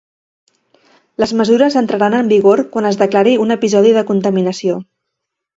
Les mesures entraran en vigor quan es declari un episodi de contaminació.